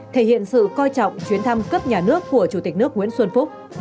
thể hiện sự coi trọng chuyến thăm cấp nhà nước của chủ tịch nước nguyễn xuân phúc